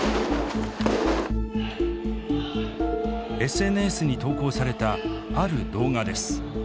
ＳＮＳに投稿されたある動画です。